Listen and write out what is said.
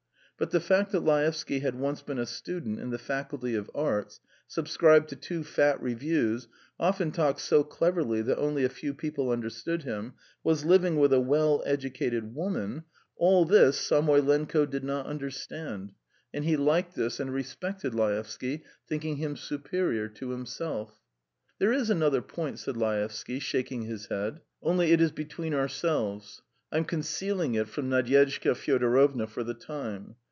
But the fact that Laevsky had once been a student in the Faculty of Arts, subscribed to two fat reviews, often talked so cleverly that only a few people understood him, was living with a well educated woman all this Samoylenko did not understand, and he liked this and respected Laevsky, thinking him superior to himself. "There is another point," said Laevsky, shaking his head. "Only it is between ourselves. I'm concealing it from Nadyezhda Fyodorovna for the time.